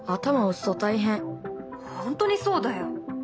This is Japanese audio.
本当にそうだよ。